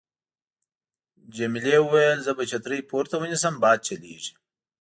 جميلې وويل:: زه به چترۍ پورته ونیسم، باد چلېږي.